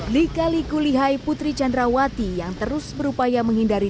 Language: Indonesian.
lika liku lihai putri candrawati yang terus berupaya menghindari